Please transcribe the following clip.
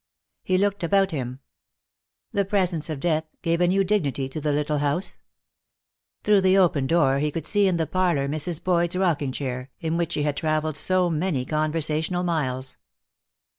He looked about him. The presence of death gave a new dignity to the little house. Through the open door he could see in the parlor Mrs. Boyd's rocking chair, in which she had traveled so many conversational miles.